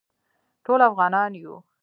ټول افغانان یو